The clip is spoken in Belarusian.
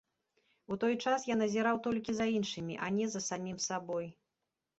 У той час я назіраў толькі за іншымі, а не за самім сабой.